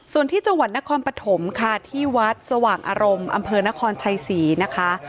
ส่วนที่จังหวัดนครปฐมค่ะที่วัดสว่างอารมณ์อำเภอนครชัยศรีนะคะ